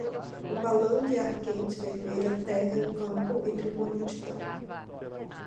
Um balão de ar quente vermelho aterra em um campo entre uma multidão.